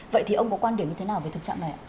vậy thì ông có quan điểm như thế nào về thực trạng này ạ